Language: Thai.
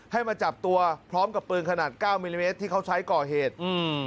ให้มาจับตัวพร้อมกับปืนขนาดเก้ามิลลิเมตรที่เขาใช้ก่อเหตุอืม